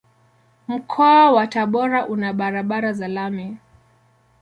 Mkoa wa Tabora una barabara za lami.